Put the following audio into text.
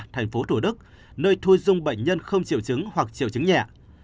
thành phố thủ đức nơi thu dung bệnh nhân không triệu chứng hoặc triệu chứng nhẹ